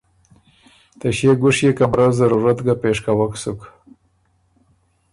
ته ݭيې ګُشيې کمره ضرورت ګۀ پېش کوَک سُک۔